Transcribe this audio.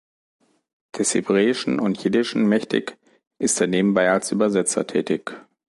Des Hebräischen und Jiddischen mächtig, ist er nebenbei als Übersetzer tätig.